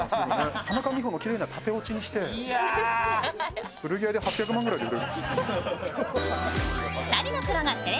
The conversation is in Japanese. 田中美保のきれいな縦落ちにして、古着屋で８００万ぐらいで売れる。